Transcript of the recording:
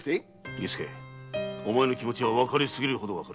儀助お前の気持ちはわかり過ぎるほどわかる。